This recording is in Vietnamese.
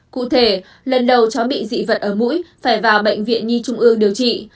cụ thể lần đầu cháu bị dị vật ở mũi phải vào bệnh viện nhi trung ương điều trị